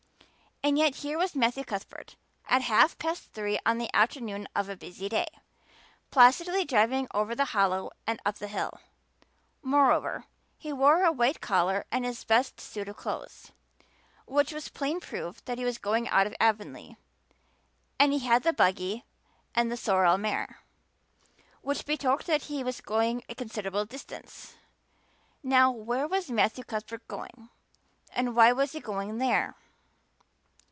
And yet here was Matthew Cuthbert, at half past three on the afternoon of a busy day, placidly driving over the hollow and up the hill; moreover, he wore a white collar and his best suit of clothes, which was plain proof that he was going out of Avonlea; and he had the buggy and the sorrel mare, which betokened that he was going a considerable distance. Now, where was Matthew Cuthbert going and why was he going there?